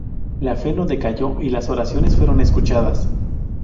La fe no decayó y las oraciones fueron escuchadas.